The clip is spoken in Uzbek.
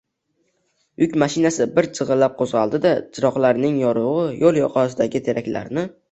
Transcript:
Yuk mashinasi bir jigʼillab qoʼzgʼaldi-da, chiroqlarining yorugʼi yoʼl yoqasidagi teraklarni